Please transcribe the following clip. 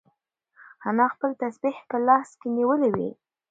انا خپل تسبیح په لاس کې نیولې وه.